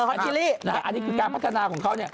อันนี้คือการพัฒนาของเขา